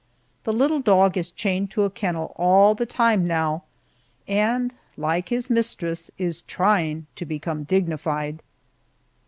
The little dog is chained to a kennel all the time now, and, like his mistress, is trying to become dignified.